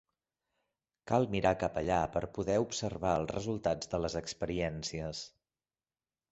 Cal mirar cap allà per poder observar els resultats de les experiències.